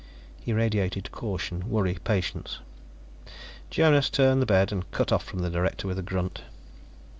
He radiated caution, worry, patience; Jonas turned in the bed and cut off from the director with a grunt.